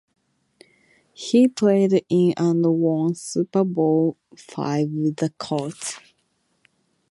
He played in and won Super Bowl Five with the Colts.